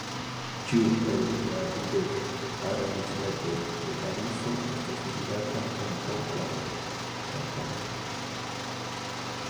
Ĉiu el la du dek Arondismentoj de Parizo estas dividata en po kvar kvartaloj.